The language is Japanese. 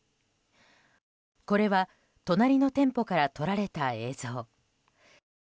これは隣の店舗から撮られた映像。